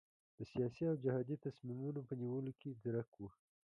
د سیاسي او جهادي تصمیمونو په نیولو کې ځیرک وو.